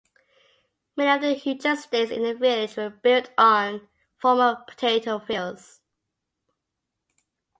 Many of the huge estates in the village were built on former potato fields.